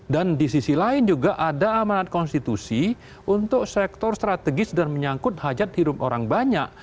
dan di sisi lain juga ada amanat konstitusi untuk sektor strategis dan menyangkut hajat hirup orang banyak